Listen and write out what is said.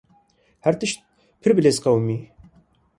Her tişt pir bilez qewimî.